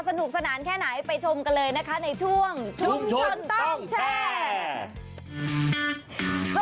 สนุกสนานแค่ไหนไปชมกันเลยนะคะในช่วงชุมชนต้องแชร์